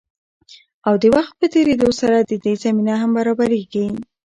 او د وخت په تېريدو سره د دې زمينه هم برابريږي.